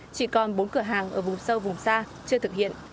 chỉ còn bốn cửa hàng ở vùng sâu vùng xa chưa thực hiện